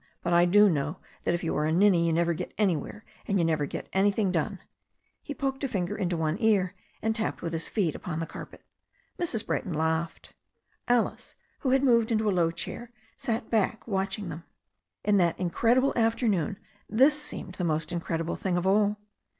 But I do know that if you are a ninny you never get anywhere, and you never get anything done." He poked a finger into one ear, and tapped with his feet upon the carpet. Mrs. Brayton laughed. Alice, who had moved into a low chair, sat back, watch ing them. In that incredible afternoon this seemed the most incredible thing of all.